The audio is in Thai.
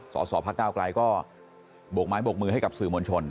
สสพระเก้าไกลก็โบกไม้บกมือให้กับสื่อมวลชน